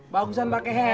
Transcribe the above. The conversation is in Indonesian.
bagusan pakai helm ya be